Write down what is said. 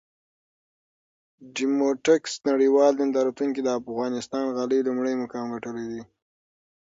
ډوموټکس نړېوال نندارتون کې د افغانستان غالۍ لومړی مقام ګټلی!